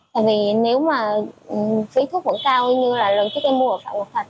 tại vì nếu mà phí thuốc vẫn cao như là lần trước em mua ở phạm quốc thạch